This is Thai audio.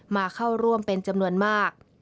มาเข้าร่วมเป็นจำนวนมาก